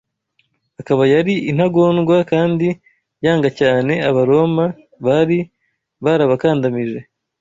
akaba yari intagondwa kandi yanga cyane Abaroma bari barabakandamije